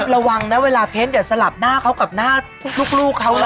ระวังนะเวลาเพชรเดี๋ยวสลับหน้าเขากับหน้าลูกเขา